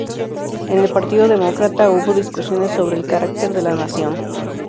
En el Partido Demócrata hubo discusiones sobre el carácter de la nación.